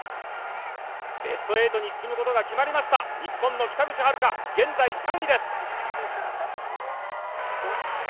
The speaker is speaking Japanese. ベスト８に進むことが決まりました日本の北口榛花、現在３位です。